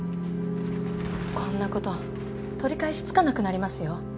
こんな事取り返しつかなくなりますよ。